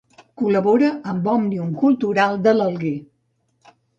Col·labora amb Òmnium Cultural de l'Alguer.